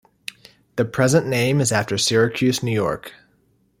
The present name is after Syracuse, New York.